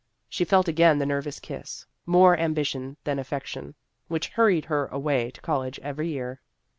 She felt again the nervous kiss, more ambition than affection, which hur ried her away to college every year.